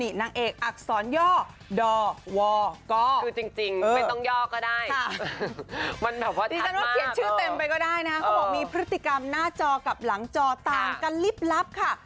นี่ฉันว่าเขียนชื่อเต็มไปก็ได้นะเขาบอกมีพฤติกรรมหน้าจอกับหลังจอต่างกันลิบลับค่ะ